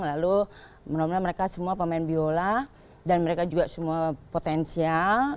lalu mudah mudahan mereka semua pemain biola dan mereka juga semua potensial